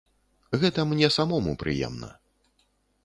Гэта мне самому прыемна.